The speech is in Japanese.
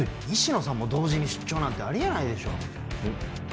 西野さんも同時に出張なんてありえないでしょえっ？